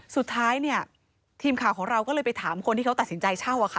สุดท้ายเนี่ยทีมข่าวของเราก็เลยไปถามคนที่เขาตัดสินใจเช่าอะค่ะ